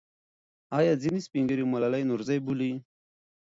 آیا ځینې سپین ږیري ملالۍ نورزۍ بولي؟